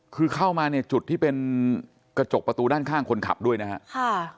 คือเข้ามาเนี่ยจุดที่เป็นกระจกประตูด้านข้างคนขับด้วยนะครับ